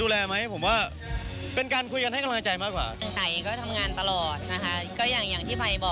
แล้วจะแต่งกันเมื่อไหร่